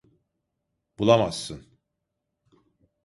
Bulamazsın.